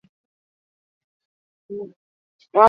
Gainera, beste zazpi lanpostu faltsu eratu zituen.